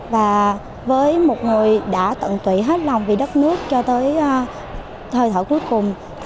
và với một người đã tận tụy hết lòng vì đất nước cho tới thời thở cuối cùng